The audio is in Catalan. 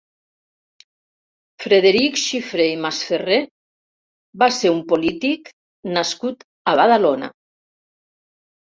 Frederic Xifré i Masferrer va ser un polític nascut a Badalona.